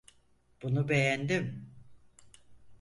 Bunu beğendim.